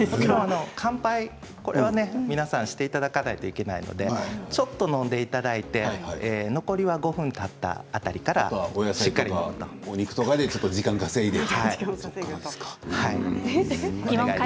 乾杯、これは皆さんしていただかないといけないのでちょっと飲んでいただいて残りは５分たった辺りからお野菜とかお肉とかで時間を稼いで。